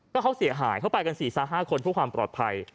ก็เขาเสียหายเขาไปกัน๔๕คนเพื่อความปลอดภัย